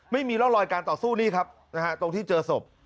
ไม่มีร่องรอยการต่อสู้นี่ครับนะฮะตรงที่เจอศพ